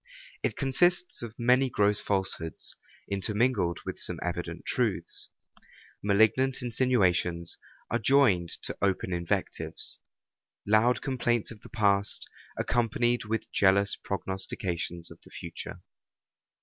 It consists of many gross falsehoods, intermingled with some evident truths: malignant insinuations are joined to open invectives; loud complaints of the past, accompanied with jealous prognostications of the future.